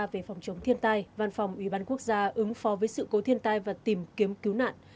về phòng chống thiên tai văn phòng ủy ban quốc gia ứng phó với sự cố thiên tai và tìm kiếm cứu nạn